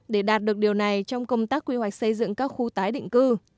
để đạt được điều này trong công tác quy hoạch xây dựng các khu tái định cư